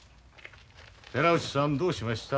寺内さんどうしました？